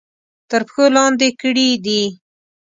تر پښو لاندې کړي دي.